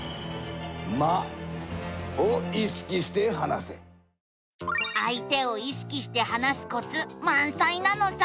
あい手を意識して話すコツまんさいなのさ。